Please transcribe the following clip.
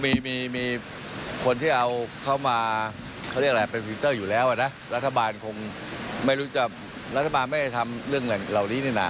มีคนที่เอาเข้ามาเป็นฟิกเตอร์อยู่แล้วนะรัฐบาลไม่ทำเรื่องเหล่านี้นี่นะ